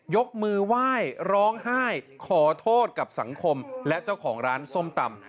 ยกมือไหว้ร้องไห้ขอโทษกับสังคมและเจ้าของร้านส้มตำ